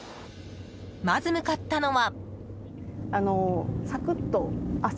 まず向かったのは。